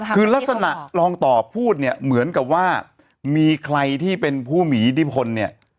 คือลักษณะรองต่อพูดเนี่ยเหมือนกับว่ามีใครที่เป็นผู้มีอิทธิพลเนี่ย